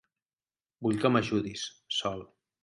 Vull que m'ajudis, Sol.